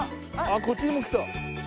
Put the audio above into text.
こっちにも来た！